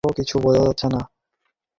আমি সাহসী নই।